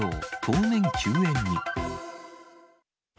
当面休園に。